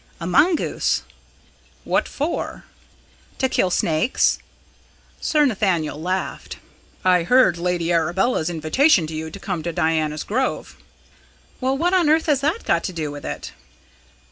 "A mongoose." "What for?" "To kill snakes!" Sir Nathaniel laughed. "I heard Lady Arabella's invitation to you to come to Diana's Grove." "Well, what on earth has that got to do with it?"